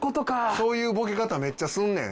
そういうボケ方めっちゃすんねん。